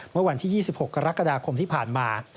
เมื่อวันที่๒๖กรกฎาคมที่ผ่านมา